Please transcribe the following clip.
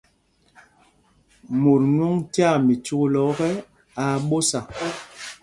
Mot nwɔŋ tyaa mícúkla ɔ́kɛ, aa ɓósa.